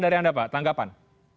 dari anda pak tanggapan